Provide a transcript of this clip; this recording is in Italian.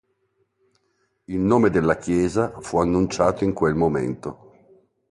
Il nome della chiesa fu annunciato in quel momento.